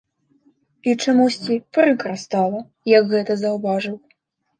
І чамусьці прыкра стала, як гэта заўважыў.